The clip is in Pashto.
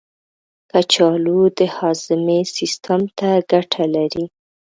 کچالو د هاضمې سیستم ته ګټه لري.